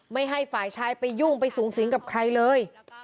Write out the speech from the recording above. ไม่ให้ฝ่ายชายไปยุ่งไปสูงสิงกับใครเลย